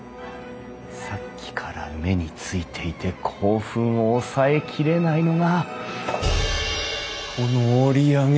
さっきから目に付いていて興奮を抑えきれないのがこの折り上げ